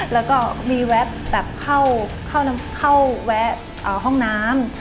แล้วก็มีแวะแบบเข้าแวะห้องน้ำ